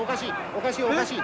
おかしいおかしい。